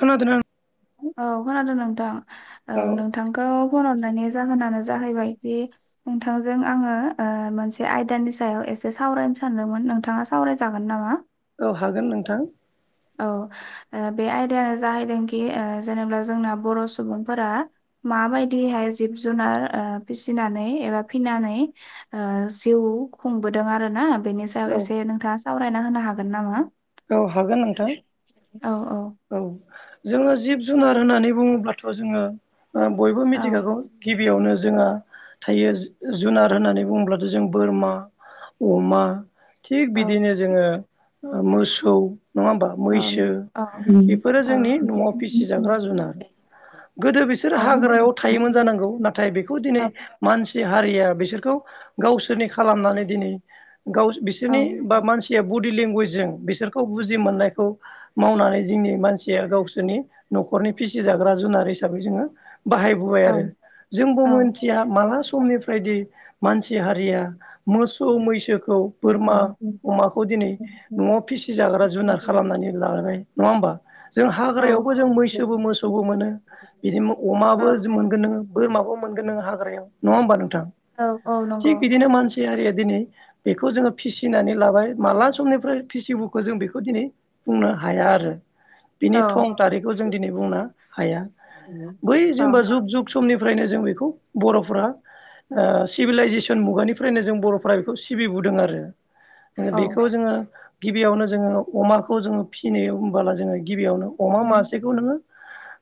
खोनादोंना नों औ खोनादों नोंथां ओ औ नोंथांखौ फन हर नायनि जाहोनानो जाहैबाय नोंथांजों आंङो ओ मोनसे आयदानि सायाव एसे साव‌ सावरायनो सानदोंमोन नोंथाङा सावरायजागोन नामा! औ हागोन नोंथां। औ ओ बे आयदायानो जाहैदोंखि ओ जेनेब्ला जोंना बर' सुबुंफोरा मा माबायदिहाय जिब जुनार ओ फिसिनानै एबा फिनानै ओ जिउ खु खुंबोदों आरो ना बेनि सायाव औ एसे नोंथांङा सावरायना होनो हागोन नामा? औ हागोन नोंथां औ औ जोंङो जिब जुनार होननानै बुङोब्लाथ' जोंङो ओ बयबो औ मिथिखागौ गिबियावनोज जोंहा थायो जु जुनार होननानै बुङोब्लाथ' जों बोरमा, अमा थिग औ बिदिनो जोंङो ओ मोसौ नङा होमबा मैसो औ बेफोरो औ जोंनि न'आव फिसिजाग्रा औ जुनार । गोदो बिसोर औ हाग्रायाव थायोमोन जानांगौ नाथाय बेखौ दिनै मानस सि हारिया बिसोरखौ गावसोरनि खालामनानै दिनै गावस औ बिसोरनि बा मानसिया बडि लेंगुवेजजों बिसोर खौ बुजि मोननायखौ मावनानै जोंनि मानसिया गावसोरनि न'खरनि फिसिजाग्रा जुनारयै हिसाबै जोंङो बाहायबोबाय आरो जोंबो औ मोनथिया माला स समनिफ्रायदि मानसि हारिया मोसौ मैसोखौ बोरमा अमाखौ दिनै न'आव फिसिजाग्रा जुनार खालामनानै लाबाय नङा होमबा? जों हाग्रायावबो जों मैसोबो मोसौबो मोनो बिदि म अमाबो जो मोनगोन नोङो । बोरमाबो मोनगोन नों हाग्रायाव नङा होमबा नोंथां औ औ थिग नंगौ बिदिनो मानस सियारिया दिनै बेखौ जोङो फिसिनानै लाबाय माला समनिफ्राय फिसिबोख खो जों बेखौ दिनै बुंनो हाया आरो औ बिनि औ थं थारिखखौ जों दिनै बुंनो हाया । बै औ जेनबा जुग जुग समनिफ्रायनो जों बेखौ बर' फोरा ओ सिभिलाइजेसन मुगानिफ्रायनो जों बर'फोरा बेखौ सिबिबुदों आरो ओ औ बेखौ जोङो गिबियावनो जोङो अमाखौ जोङो फिसिनायाव होनबाला जोङो गिबियावनो अ अमा मासेखौ नोङो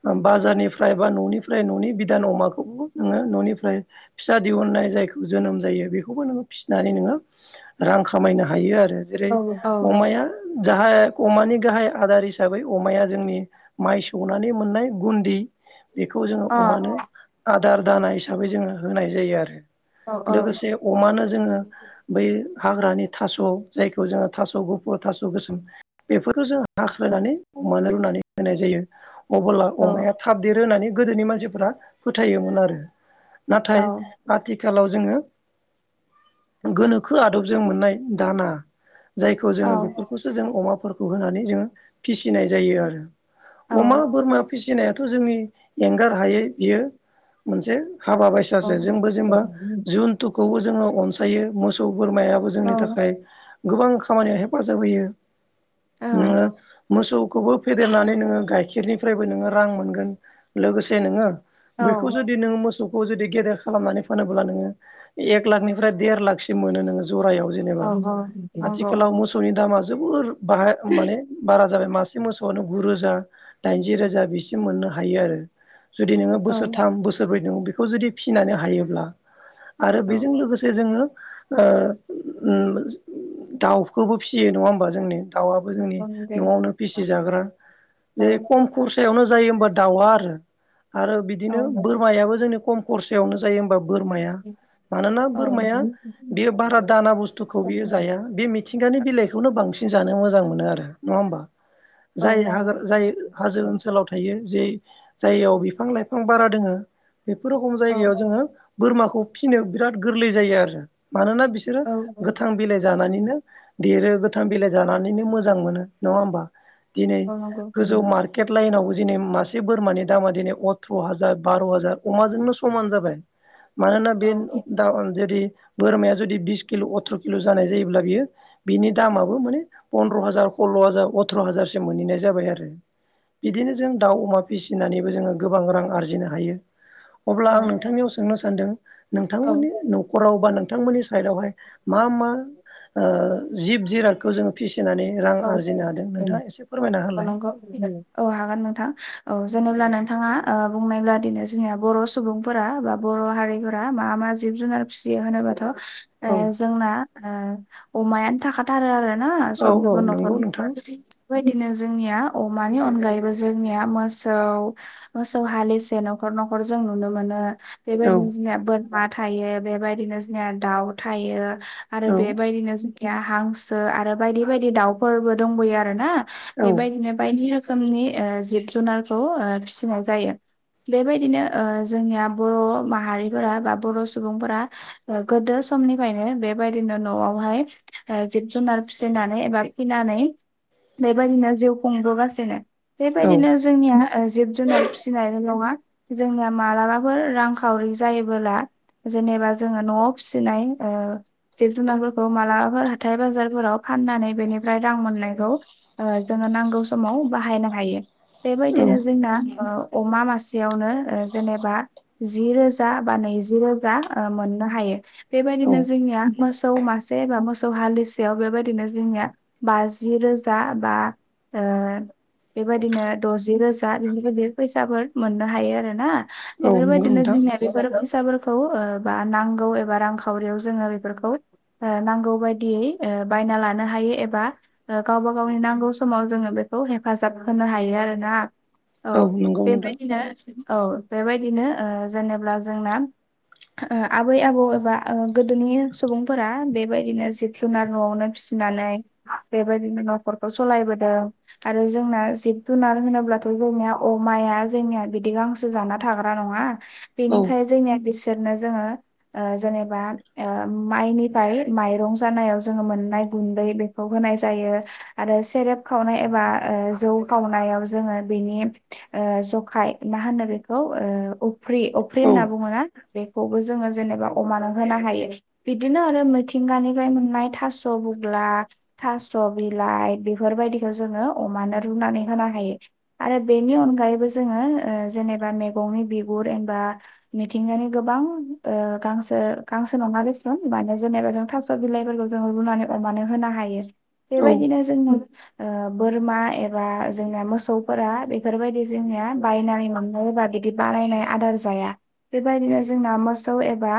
ओ बाजारनिफ्राय बा न'निफ्राय न'नि बिदान अमाखौ नोङो न'निफ्राय फिसा दिहुननाय जा जायखौ जोनोम जायो बेखौबो नोङो फिसिनानै नोङो रां खामायनो हायो आरो ओ जेरै औ अमाया जाहाय अमानि गाहाय आदार हिसाबै अमाया जोंनि माइ सौनानै मोननाय गुन्दि बेखौ जोङो अमानो आदार दाना हिसाबै जोङो होनाय जायो आरो लोगोसे अमानो जोङो बै हाग्रानि थास' जायखौ जोङो थास' गुफुर थास' गोसोम बेफोरो जों हाख्लायनानै अमानो रुनानै होनाय जायो। अबोला अमाया थाब देरो होननानै गोदोनि मानसिफोरा फोथायोमोन आरो नाथाय आथिखालाव ज जोङो गोनोखो आदबजों मोननाय दाना जायखौ जोङो बेफोरखौसो जों अमाफोरखौ होनानै जों फिसिनाय जायो आरो अमा बोरमा फिसिनायाथ' जोंनि एंगार हायै बियो मोनसे हाबा बायसासो जोंबो जेनेबा जुुनथुखौबो जोङो अनसायो मोसौ बोरमायाबो जोंनि थाखाय गोबां खामानियाव हेफाजाब होयो । नोङो मोसौखौबो फेदेरनानै नोङो गाइखेरनिफ्रायबो नोङो रां मोनगोन । लोगोसे नोङो बैखौ जुदि नों मोसौ खौ जुदि गेदेर खालामनानै फानोब्ला नोङो एक लाखनिफ्राय देर लाखसिम मोनो नोङो । जरायाव जेनेबा आथिखालाव मोसौनि दामा जोबोर बाहाय माने बारा जाबाय मासे मोसौआनो गुु रोजा दाइनजि रोजा बिसिम मोननो हायो आरो । जुदि नोङो बोसोरथाम बोसोरब्रै नों बेखौ जुदि फिसिनानै हायोब्ला आरो बेजों लोगोसे जोङो ओ ओम दाउ खौबो फिसियो नङा होमबा जोंनि? दाउआबो जोंनि न'आवनो फिसि जाग्रा जे खम खरसायावनो जायो होमबा दाउआ आरो - आरो बिदिनो बोरमायाबो जोंनि खम खरसयावनो जायो होमबा बोरमाया औ मानोना औ बोरमाया बेयो बारा दाना बुस्थुखौ बियो जाया बे मि नि बिलाइखौनो बांसिन जानो मोजां मोनो आरो नङा होमबा? औ जाय नंगौ हागो जाय हाजो औ ओनसोलाव थायो जे जायगायाव बिफां लाइफां बारा दोङो बेफोर रखम औ जायगायाव जोङो बोरमाखौ फिसिनो बिराद गोरलै जायो आरो । मानोना बिसोरो औ नंगौ औ गोथां बिलाइ जानानैनो देरो गोथां बिलाइ जानानैनो मोजां मोनो नङा होमबा? दिनै गोजौ मार्केट लाइनावबो दिनै मासे बोरमानि दामा दिनै अथ्र' हाजार बार' हाजार अमाजोंनो समान जाबाय । मानोना बे दा जुदि बोरमाया जुदि बिस किल' अथ्र' किल' जानाय जायोब्ला बियो बिनि दामाबो माने पन्द्र' हाजार खल्ल' हाजार अथ्र' हाजारसो मोनहैनाय जाबाय आरो । बिदिनो जों दाउ अमा फिसिनानैबो जोङो गोबां रां आरजिनो हायो । अब्ला आं नोंथांनियाव सोंनो सानदों नोंथांमोननि न'खराव बा नोंथांमोननि साइडआवहाय मा - मा ओ जिब जिरादखौ जोङो फिसि औ फोरमायना - औ होलाय नंगौ औ हागोन नोंथां । औ जेनेब्ला नोंथाङा ओ बुंनायब्लादिनो जोंनिया बर' सुबुंफोरा बा बर' हारिफोरा मा मा जिब जुनार फिसियो होनोबा। औ जोंना ओ अमायानो थाखाथारो आरो ना। औ औ सबनिबो न'खर नंगौ नोंथां बेबायदिनो जोंनिया अमानि अनगायैबो जोंनिया मोसौ मोसौ हालिसे न'खर न'खर न'खर जों नुनो मोनो। औ बेबायदिनो जोंनिया बोरमा थायो बेबायदिनो जोंनिया दाउ थायो। आरो औ बेबायदिनो जोंखिया हांसो आरो बायदि बायदि दाउफोरबो दंबोयो आरो ना बेबायदिनो बायदि रोखोमनि ओ जिब जुनारखौ ओ फिसिनाय जायो। बेबायदिनो ओ जोंनिया बर' माहारिफोरा बा बर' सुबुंफोरा गोदो समनिफ्रायनो बेबायदिनो न'आवहाय ओ जिब जुनार फिसिनानै एबा फिनानै बेबायदिनो जिउ खुंबोगासिनो। औ बेबायदिनो जोंनिया जिब जुनार फिसिनायल' नङा। जोंनिया मालाबाफोर रांखावरि जायोबोला जेनेबा जोङो न'आव फिसिनाय ओ जिब जुनारफोरखौ मालाबाफोर हाथाय बाजारफोराव फाननानै बेनिफ्राय रां मोननायखौ ओ जोङो नांगौ समाव बाहायनो हायो। बेबायदिनो जोंना ओ अमा मासेयावनो ओ जेनेबा जि रोजा बा नैजि रोजा ओ मोननो हायो। औ बेबायदिनो जोंनिया मोसौ मासे बा मोसौ हालिसेयाव बेबायदि [inaudible] बिदिनो जोंनिया बाजि रोजा बा ओ बेबायदिनो दजि रोजा बिनिफ्राय बे फैसाफोर मोननो हायो आरो ना। औ नंगौ बेफोरबायदिनो नोंथां जोंनिया बेफोर फैसाफोर खौ ओ बा नांगौ एबा रांखावरियाव जोङो बेफोरखौ ओ नांगौ बायदियै ओ बायना लानो हायो एबा गावबा गावनि नांगौ समाव जोङो बेखौ हेफाजाब होनो हायो आरोना आ औ नंगौ नोंथां बेबायदिनो औ बेबायदिनो ओ जेनेब्ला जोंना आबै आबौ एबा ओ गोदोनि सुबुंफोरा बेबायदिनो जिब जुनार न'आवनो फिसिनानै बेबायदिनो न'खरखौ सालायबोदों आरो जोंना जिब जुनार होनोब्लाथ' जोंनिया अमा जोंनिया बिदि गांसो जाना थाग्रा नङा औ बेनिखाय जोंनि बिसोरनो जोङो ओ जेनेबा ओ माइनिफ्राय माइरं जानायाव जों मोननाय गुन्दै बेखौ होनाय जायो आरो सेरेब खावनाय एबा ओ जौ खावनाय याव जोङो बिनि ओ जखाय मा होनो बेखौ ओ अ फ्रि अफ्रि औ होनना बुङो ना बेखौबो जोङो जेनेबा अमानो होनो हायो बिदिनो आरो मिथिंगानिफ्राय मोननाय थास' बुग्ला थास' बिलाइ बेफोरबायदिखौ जोङो अमानो रुनानै होनो हायो आरो बेनि अनायैबो जोङो ओ जेनेबा मैगंनि बिगुर एबा मिंथिं गानि गोबां ओ गांसो गांसो नङा देसुन [unintelligible] जेनेबा जों थाबस' बिलाइफोरखौ जों रुनानै अमानो होनो हायो औ बेबायदिनो जों ओ बोरमा एबा जोंनिया मोसौफोरा बेफोरबायदि जोंनिया बायनानै मोनो सोरबा बिदि बानायनाय आदार जाया बेबायदिनो जोंना मोसौ एबा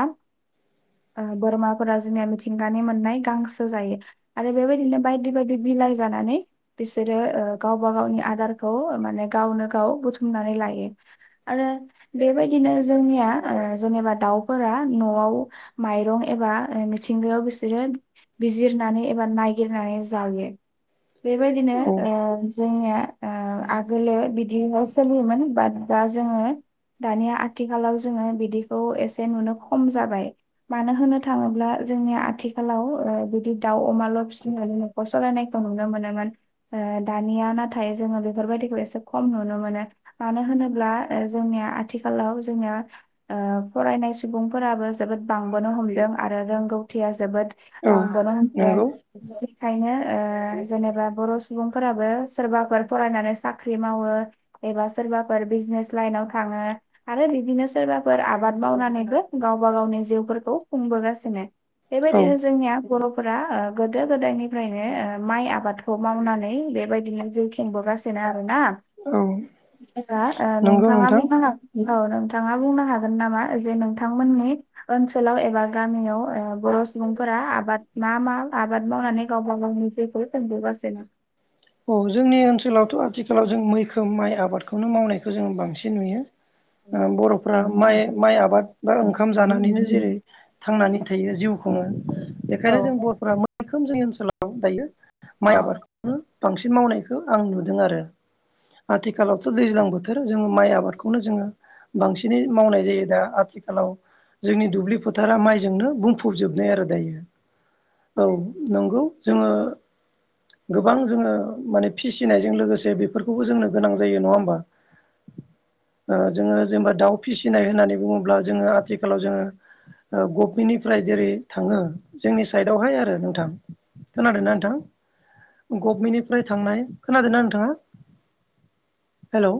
आ बोरमाफोरा जोंनिया मिथिंगानि मोननाय गांसो जायो आरो बेबायदिनो बायदि बायदि बिलाइ जानानै बिसोरो ओ गावबा गावनि आदारखौ माने गावनो गाव बुथुमनानै लायो आरो बेबायदिनो जोंनिया जेनेबा दाउफोरा न'आव माइरं एबा मिथिंगायाव बिसोरो बिजिरनानै एबा नायगिरनानै जायो बेबायदिनो औ ओ जोंनिया ओ आगोलो बिदिहाय सोलियोमोन बाट दा जोङो दानिया आथिखालाव जोङो बिदिखौ एसे नुनो खम जाबाय मानो होननो थाङोब्ला जोंनि आथिखालाव ओ बिदि दाउ अमाल' फिसिनानै नखर सलायनायखौ नुनो मोनोमोन ओ दानिया नाथाय जोङो बेफोरबायदिखौ एसे खम नुनो मोनो मानो होनोब्ला ओ जोंनिया आथिखालाव जोङो ओ फरायनाय सुबुंफोराबो जोबोद बांबोनो हमदों आरो रों गौथिया जोबोद औ ओ बांबोनो नंगौ होमदों एखायनो ओ जेनेबा बर' सुबुंफोराबो सोरबाफोर फरायनानै साख्रि मावो एबा सोरबाफोर बे बिजिनेस लाइनाव थाङो आरो बिदिनो सोरबाफोर आबाद मावनानैबो गावबा गावनि जिउफोरखौ खुंबोगासिनो औ बेबायदिनो जोंनिया बर'फोरा ओ गोदो गोदायनिफ्रायनो ओ माइ आबादखौ मावनानै बेबायदिनो जिउ खुंबो गासिनो आरोना आ नंगौ नोंथां नोंथाङा औ नोंथाङा बुंनो हागोन नामा जे नोंथांमोननि ओनसोलाव एबा गामियाव ओ बर' सुबुंफोरा आबाद मा-मा आबाद मावनानै गावबा गावनि जिउखौ खुंबोगासिनो औ जोंनि ओनसोलावथ' आथिखालाव जों मैखोम माइ आबादखौनो मावनायखौ जों बांसिन नुयो ओ बर'फोरा माइ माइ आबाद बा ओंखाम जानानैनो जेरै थांनानै थायो जिउ खुङो औ बेखायनो जों बर'फोरा मैखोम जोंनि ओनसोलाव दायो औ माइ आबादखौनो बांसिन मावनायखौ आं नुदों आरो आथिखालावथ' दैज्लां बोथोर जोङो माइ आबादखौनो जोङो बांसिनै मावनाय जायो दा आथिखालाव जोंनि दुब्लि फोथारा माइजोंनो बुंफबजोबनाय आरो दायो औ नंगौ जोङो गोबां जोङो माने फिसिनायजों लोगोसे बेफोरखौबो जोंनो गोनां जायो नङा होमबा ओ जोङो जेनेबा दाउ फिसिनाय होननानै बुङोब्ला जोङो आथिखालाव जोङो ओ गभमेन्टनिफ्राय जेरै थाङो जोंनि साइदआवहाय आरो नोंथां खोनादोंना नोंथां गभमेन्टनिफ्राय थांनाय खोनादोंना नोंथां हेलौ